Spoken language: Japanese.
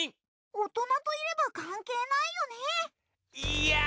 大人といればかんけいないよね。